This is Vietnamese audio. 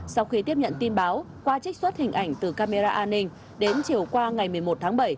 sau khi tiếp nhận tin báo qua trích xuất hình ảnh từ camera an ninh đến chiều qua ngày một mươi một tháng bảy